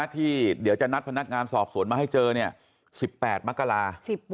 ที่เดี๋ยวจะนัดพนักงานสอบสวนมาให้เจอ๑๘มกรา